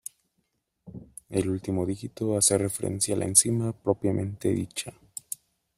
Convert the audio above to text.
El último dígito hace referencia a la enzima propiamente dicha.